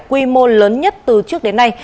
quy mô lớn nhất từ trước đến nay